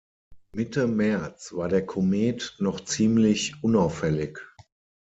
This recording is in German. Mitte März war der Komet noch ziemlich unauffällig.